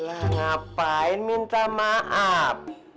lah ngapain minta maaf